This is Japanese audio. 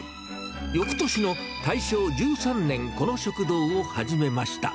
よくとしの大正１３年、この食堂を始めました。